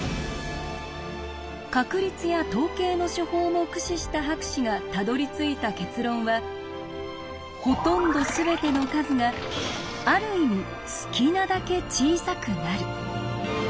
確率や統計の手法も駆使した博士がたどりついた結論は「ほとんどすべての数がある意味好きなだけ小さくなる」。